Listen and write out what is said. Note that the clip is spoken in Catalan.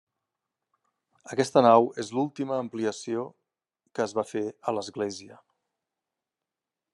Aquesta nau és l'última ampliació que es va fer a l'església.